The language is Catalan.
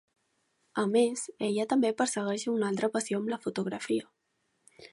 A més, ella també persegueix una altra passió amb la fotografia.